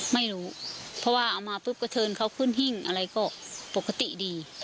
ไม่รู้เพราะว่าเอามาปุ๊บก็เชิญเขาขึ้นหิ้งอะไรก็ปกติดี